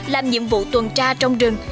làm nhiệm vụ tuần tra trong rừng